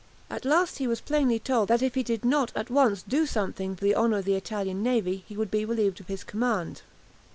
At last he was plainly told that if he did not at once do something for the honour of the Italian navy he would be relieved of his command.